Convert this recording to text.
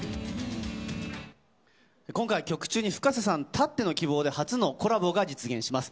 今回、曲中にＦｕｋａｓｅさんたっての希望で、初のコラボが実現します。